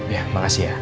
ya makasih ya